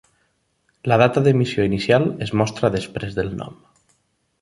La data d'emissió inicial es mostra després del nom.